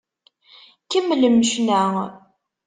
Kemmlem ccna!